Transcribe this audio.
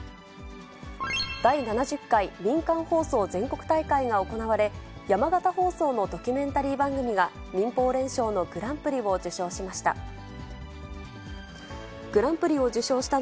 第７０回民間放送全国大会が行われ、山形放送のドキュメンタリー番組が、民放連賞のグランプリを受賞しました。